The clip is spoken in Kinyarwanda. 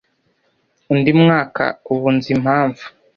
undi mwaka ubu nzi impamvu